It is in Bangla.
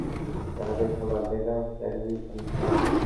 রাতের খাবার দেখা হচ্ছে, আগামীকালকে।